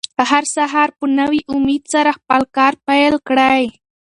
هر سهار په نوي امېد سره خپل کار پیل کړئ.